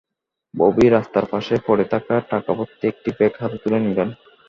ববি রাস্তার পাশে পড়ে থাকা টাকাভর্তি একটি ব্যাগ হাতে তুলে নিলেন।